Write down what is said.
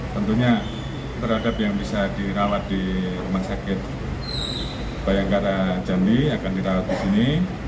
tentunya terhadap yang bisa dirawat di rumah sakit bayangkara jambi akan dirawat di sini